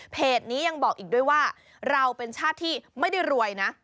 นี้ยังบอกอีกด้วยว่าเราเป็นชาติที่ไม่ได้รวยนะ